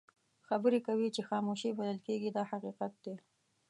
خبرې کوي چې خاموشي بلل کېږي دا حقیقت دی.